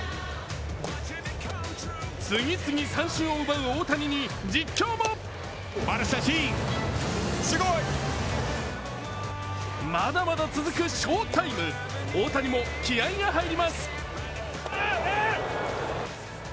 次々三振を奪う大谷に実況もまだまだ続く翔タイム、大谷も気合いが入ります。